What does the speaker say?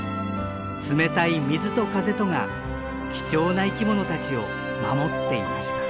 冷たい水と風とが貴重な生き物たちを守っていました。